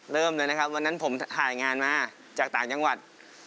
เริ่มเลยนะครับวันนั้นผมถ่ายงานมาจากต่างจังหวัด